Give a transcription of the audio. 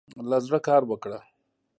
له زړۀ کار وکړه.